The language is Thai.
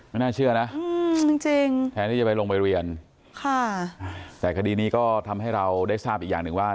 น่าเชื่อนะจริงแทนที่จะไปลงไปเรียนค่ะแต่คดีนี้ก็ทำให้เราได้ทราบอีกอย่างหนึ่งว่า